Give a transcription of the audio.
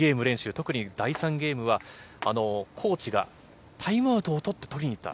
特に第３ゲームはコーチがタイムアウトを取って取りにいった。